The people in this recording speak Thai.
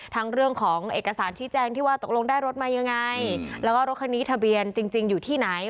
เรื่องของเอกสารชี้แจงที่ว่าตกลงได้รถมายังไงแล้วก็รถคันนี้ทะเบียนจริงอยู่ที่ไหน